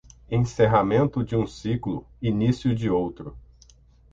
Encerramento de um ciclo, início de outro